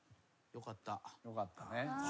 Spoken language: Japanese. よかったね。